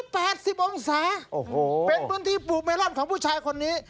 เป็นพื้นที่ปลูกเมลอนของผู้ชายคนนี้